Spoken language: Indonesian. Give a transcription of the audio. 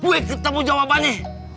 wih ketemu jawabannya